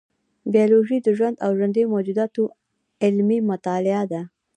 بیولوژي د ژوند او ژوندي موجوداتو علمي مطالعه ده